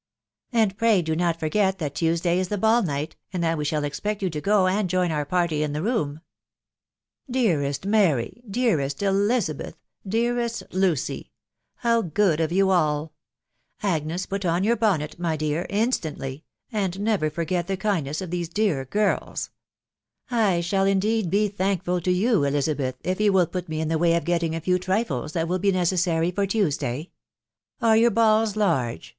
And pray do not forget that Tuesday is the ball night, and that we shall expect you to go, and join our party in the rami" "Dearest Mary !... dearest EI&iBtatibA .•» tewsak 146 TAB WJDOW BJkJUfAAT* Lucy ! How good of you all ! Agnes, put on my dear, instantly, and never forget the landless of these den girls. ... I shall, indeed, be thankful to you, Bli—hethj if y«* will put roe in the way of getting a lew trifle* thai. wJU se necessary for Tuesday. •.• Are your haUs large?